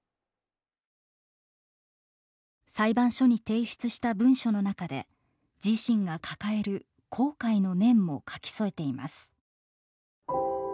裁判所に提出した文書の中で自身が抱える後悔の念も書き添えています。